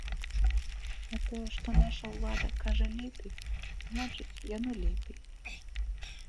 А тое, што наша ўлада кажа лепей, значыць, яно лепей.